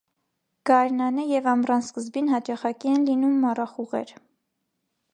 Գարնանը և ամռան սկզբին հաճախակի են լինում մառախուղեր։